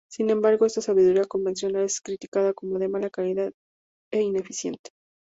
Sin embargo, esta sabiduría convencional es criticada como de mala calidad e ineficiente.